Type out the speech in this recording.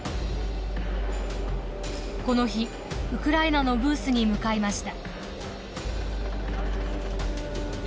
この日ウクライナのブースに向かいました。